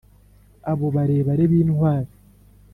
abo barebare b`intwari